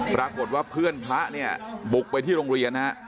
ปรากฏว่าเพื่อนพระบุกไปที่โรงเรียน